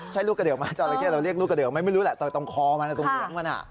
ใช่ลูกกระเดือกไหมจราเข้เราเรียกลูกกระเดือกไหมไม่รู้แหละแต่ตรงคอมันตรงเลี้ยงมัน